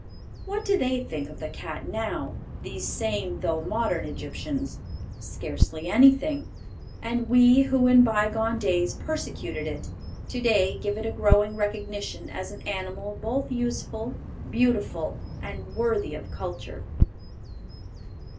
What do they think of the cat now, these same though modern Egyptians? Scarcely anything. And we, who in bygone ages persecuted it, to day give it a growing recognition as an animal both useful, beautiful, and worthy of culture.